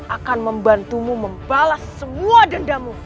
akan membantumu membalas semua dendamu